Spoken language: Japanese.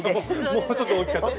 もうちょっと大きかったら。